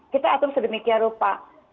kita atur sedemikian rupa